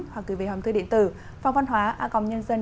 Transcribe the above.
hoặc gửi về hàm thư điện tử phongvănhoaacomnn org vn